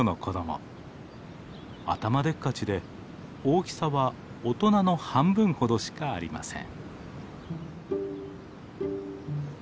頭でっかちで大きさは大人の半分ほどしかありません。